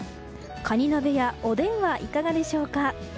カニ鍋やおでんはいかがでしょうか。